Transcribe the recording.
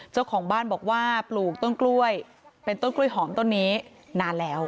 เจ้าของบ้านบอกว่าปลูกต้นกล้วยเป็นต้นกล้วยหอมต้นนี้นานแล้ว